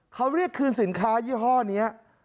เขาเรียกคืนสินค้ายี่ห้อนี้